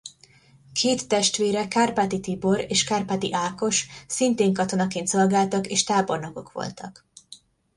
Két testvére Kárpáthy Tibor és Kárpáthy Ákos szintén katonaként szolgáltak és tábornokok voltak.